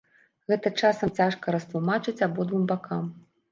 Гэта часам цяжка растлумачыць абодвум бакам.